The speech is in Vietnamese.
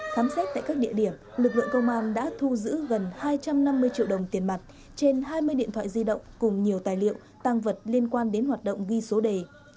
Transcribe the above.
khám xét tại các địa điểm lực lượng công an đã thu giữ gần hai trăm năm mươi triệu đồng tiền mặt trên hai mươi điện thoại di động cùng nhiều tài liệu tăng vật liên quan đến hoạt động ghi số đề